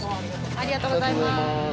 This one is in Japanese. ありがとうございます。